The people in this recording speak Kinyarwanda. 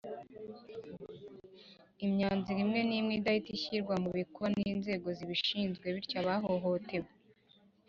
Imyanzuro imwe n imwe idahita ishyirwa mu bikorwa n inzego zibishinzwe bityo abahohotewe